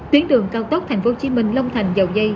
tuyến đường cao tốc tp hcm long thành dầu dây